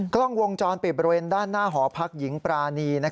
กล้องวงจรปิดบริเวณด้านหน้าหอพักหญิงปรานี